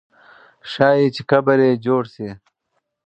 ښایي چې قبر یې جوړ سي.